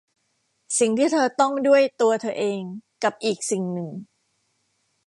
สิ่งที่เธอต้องด้วยตัวเธอเอง กับอีกสิ่งหนึ่ง